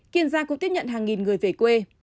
kiên giang cũng tiếp nhận hàng nghìn người về quê